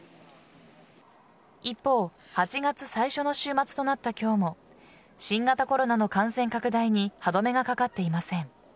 一方８月最初の週末となった今日も新型コロナの感染拡大に歯止めがかかっていません。